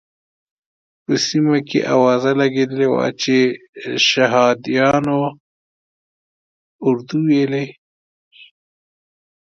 په سیمه کې اوازه لګېدلې وه چې شهادیانو اردو ویلې.